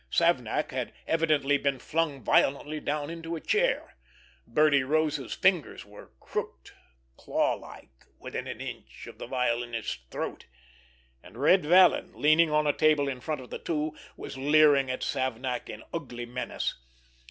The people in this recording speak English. Savnak had evidently been flung violently down into a chair; Birdie Rose's fingers were crooked, claw like, within an inch of the violinist's throat; and Red Vallon, leaning on a table in front of the two, was leering at Savnak in ugly menace.